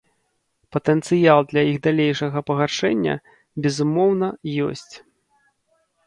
Патэнцыял для іх далейшага пагаршэння, безумоўна, ёсць.